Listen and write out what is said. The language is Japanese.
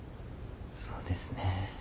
そうですね。